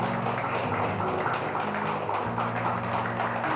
apak sekaligus aja disuruh kabar